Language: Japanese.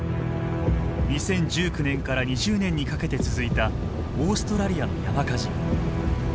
２０１９年から２０年にかけて続いたオーストラリアの山火事。